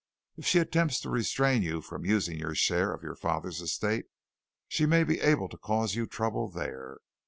If she attempts to restrain you from using your share of your father's estate, she may be able to cause you trouble there.